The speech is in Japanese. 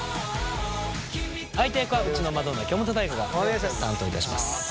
相手役はうちのマドンナ京本大我が担当いたします。